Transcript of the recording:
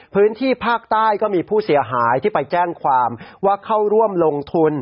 พื้นที่ภาคใต้ก็มีผู้เสียหายที่ไปแจ้งความว่าเข้าร่วมลงทุน